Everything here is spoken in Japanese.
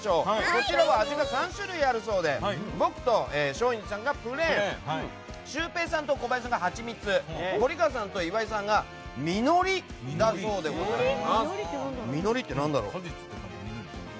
こちらは味が３種類あるそうで僕と松陰寺さんがプレーンシュウペイさんと小林さんがはちみつ森川さんと岩井さんが果実だそうでございます。